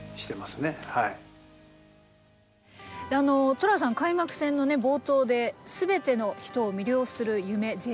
トラさん開幕戦の冒頭で「全ての人を魅了する夢Ｊリーグ。